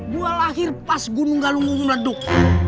gue lahir pas gunung gunung gunung leduk